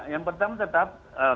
yang pertama tetap